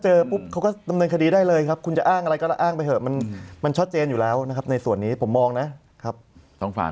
ถูกต้องเดี๋ยวตังประโหลเขาสอบสวน